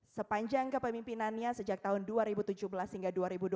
sepanjang kepemimpinannya sejak tahun dua ribu tujuh belas hingga dua ribu dua puluh